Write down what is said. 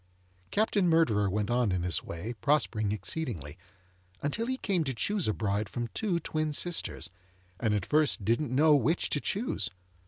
Captain Murderer went on in this way, prospering exceedingly, until he came to choose a bride from two twin sisters, and at first didn't know which to choose.